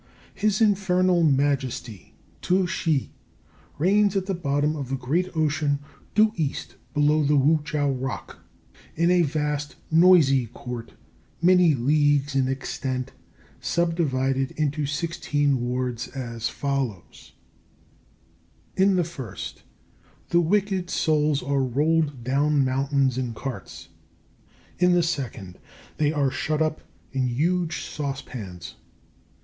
His Infernal Majesty, Tu Shih, reigns at the bottom of the great Ocean, due east below the Wu chiao rock, in a vast noisy Court many leagues in extent, subdivided into sixteen wards as follows: In the first, the wicked souls are rolled down mountains in carts. In the second, they are shut up in huge saucepans.